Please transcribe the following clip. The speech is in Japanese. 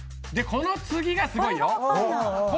この次がすごいよ。